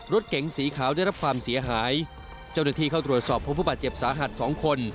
รถเก๋งสีขาวได้รับความเสียหายเจ้าหน้าที่เข้าตรวจสอบพบผู้บาดเจ็บสาหัสสองคน